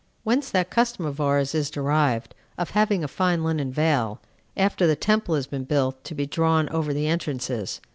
Whence that custom of ours is derived, of having a fine linen veil, after the temple has been built, to be drawn over the entrances.